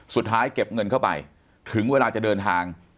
เก็บเงินเข้าไปถึงเวลาจะเดินทาง